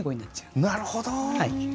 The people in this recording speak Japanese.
なるほど！